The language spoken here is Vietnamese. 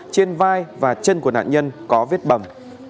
trên vai và chân của nạn nhân có vết bầm